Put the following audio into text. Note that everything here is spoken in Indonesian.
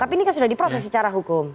tapi ini kan sudah diproses secara hukum